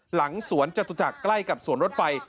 หลังสวนจตุจักรใกล้กับสวนรถไฟ